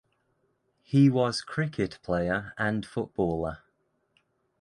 He was cricket player and footballer.